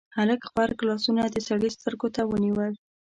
هلک غبرګ لاسونه د سړي سترګو ته ونيول: